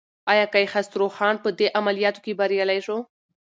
ایا کیخسرو خان په دې عملیاتو کې بریالی شو؟